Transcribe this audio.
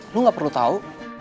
lo gak perlu tau